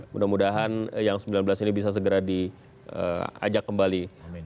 mudah mudahan yang sembilan belas ini bisa segera diajak kembali